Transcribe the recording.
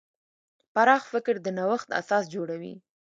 پراخ فکر د نوښت اساس جوړوي.